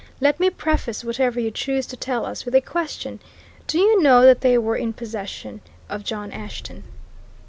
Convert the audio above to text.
Let me preface whatever you choose to tell us with a question: Do you know that they were in possession of John Ashton?"